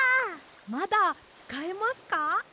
まだつかえますか？